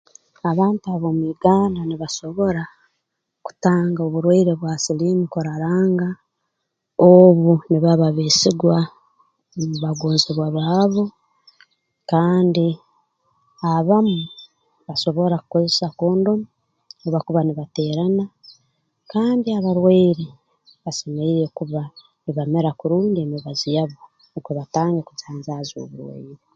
Abantu ab'omu Uganda nibasobora kutanga oburwaire bwa siliimu kuraranga obu nibaba beesigwa mu bagonzebwa baabo kandi abamu basobora kukozesa condom obu bakuba nibateerana kandi abarwaire basemeriire kuba nibamira kurungi emibazi yabo okubatanga kujanjaaza oburwaire